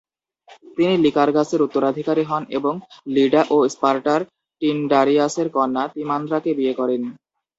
তিনি লিকার্গাসের উত্তরাধিকারী হন এবং লিডা ও স্পার্টার টিনডারিয়াসের কন্যা তিমান্দ্রাকে বিয়ে করেন।